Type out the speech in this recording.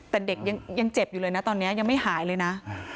แต่เด็กยังเจ็บอยู่เลยนะตอนนี้ยังไม่หายเลยนะ